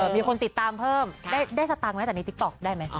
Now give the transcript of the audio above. มีคนติดตามเพิ่มได้สตังค์ไหมจากในติ๊กต๊อกได้ไหม